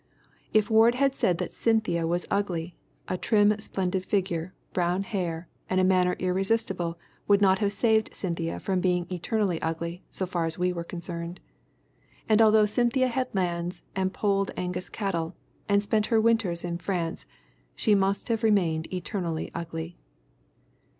If Ward had said that Cynthia was ugly, a trim, splendid figure, brown hair, and a manner irresistible would not have saved Cynthia from being eternally ugly so far as we were concerned; and although Cynthia had lands and Polled Angus cattle and spent her winters in France, she must have remained eternally ugly.